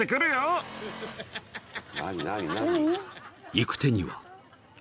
［行く手には］